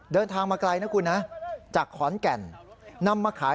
เดินทางมาไกลนะคุณนะจากขอนแก่นนำมาขาย